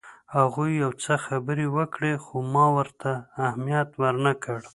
هغوی یو څه خبرې وکړې خو ما ورته اهمیت ورنه کړ.